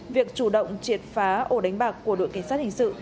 việc chủ động triệt phá ổ đánh bạc của đội cảnh sát hình sự